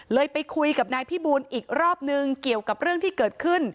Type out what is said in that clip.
ไปคุยกับนายพี่บูลอีกรอบนึงเกี่ยวกับเรื่องที่เกิดขึ้น